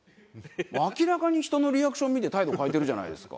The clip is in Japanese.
明らかに人のリアクション見て態度変えてるじゃないですか。